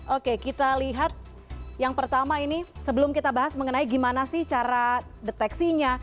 oke kita lihat yang pertama ini sebelum kita bahas mengenai gimana sih cara deteksinya